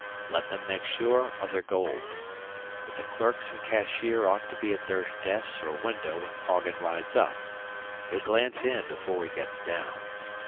Let them make sure of their gold. But the clerks and cashier ought to be at their desks or window when Poggin rides up. He'll glance in before he gets down.